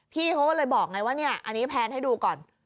พี่เขาก็เลยบอกไงว่าเนี่ยอันนี้แพนให้ดูก่อน